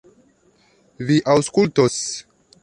Vi aŭskultos!